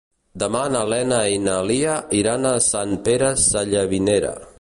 Demà na Lena i na Lia iran a Sant Pere Sallavinera.